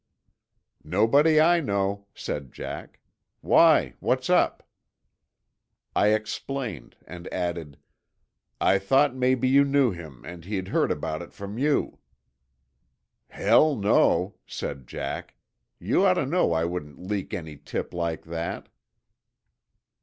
"Nobody I know," said Jack. "Why, what's up?" I explained, and added, "I thought maybe you knew him, and he'd heard about it from you." "Hell, no," said Jack. "You ought to know I wouldn't leak any tip like that."